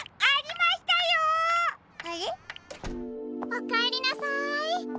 おかえりなさい。